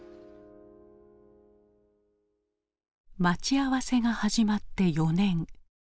待ち合わせが始まって４年。